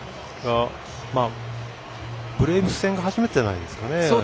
ブレーブス戦が初めてじゃないですかね。